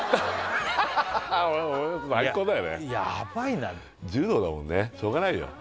ヤバいなしょうがないよ